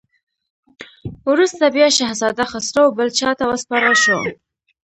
وروسته بیا شهزاده خسرو بل چا ته وسپارل شو.